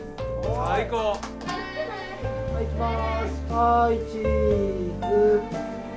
はいいきます。